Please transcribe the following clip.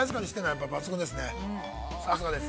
さすがです。